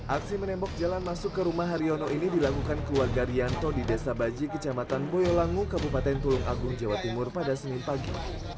aksi menembok jalan masuk ke rumah haryono ini dilakukan keluarga rianto di desa baji kecamatan boyolangu kabupaten tulung agung jawa timur pada senin pagi